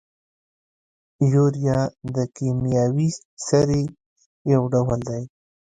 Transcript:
یوریا د کیمیاوي سرې یو ډول دی.